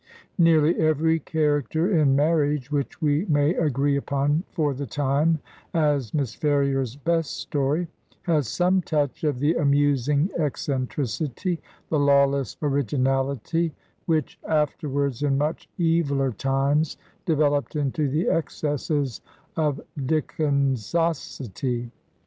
Nearly every character in ''Marriage," which we ^3iay agree upon for the time as Miss Ferrier's best story, has some touch of the amusing eccentricity, the lawless originality, which afterwards in much eviller times de veloped into the excesses of Dickensosity.